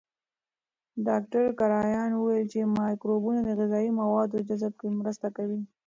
ډاکټر کرایان وویل چې مایکروبونه د غذایي موادو جذب کې مرسته کوي.